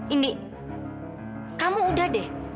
indy kamu udah deh